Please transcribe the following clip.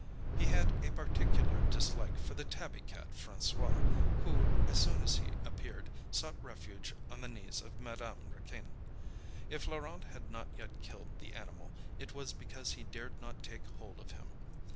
He had a particular dislike for the tabby cat François who, as soon as he appeared, sought refuge on the knees of Madame Raquin. If Laurent had not yet killed the animal, it was because he dared not take hold of him.